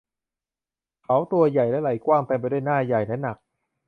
เขาตัวใหญ่และไหล่กว้าง เต็มไปด้วยหน้าใหญ่และหนัก